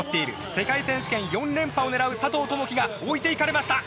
世界選手権４連覇を狙う佐藤友祈が置いていかれました。